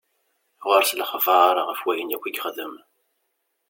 Ɣur-s lexbar ɣef wayen akk i ixeddem.